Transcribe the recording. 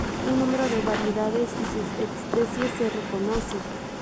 Un número de variedades y subespecies se reconocen.